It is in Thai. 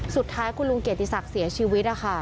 สุดท้ายคุณลุงเกียรติศักดิ์เสียชีวิตนะคะ